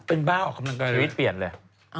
เป็นบ้าออกกำลังกายชีวิตเปลี่ยนเลย